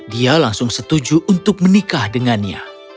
dia langsung setuju untuk menikah dengannya